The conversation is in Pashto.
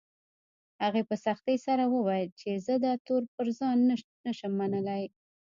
هغې په سختۍ سره وويل چې زه دا تور پر ځان نه شم منلی